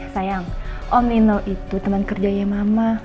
sayang om nino itu teman kerja ya mama